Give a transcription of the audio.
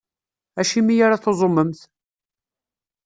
Acimi ara tuẓumemt?